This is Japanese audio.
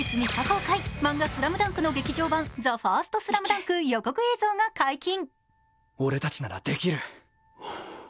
来月３日公開、漫画「ＳＬＡＭＤＵＮＫ」の劇場版「ＴＨＥＦＩＲＳＴＳＬＡＭＤＵＮＫ」予告映像が解禁。